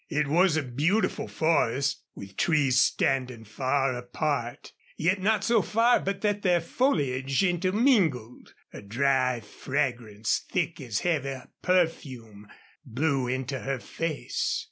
It was a beautiful forest, with trees standing far apart, yet not so far but that their foliage intermingled. A dry fragrance, thick as a heavy perfume, blew into her face.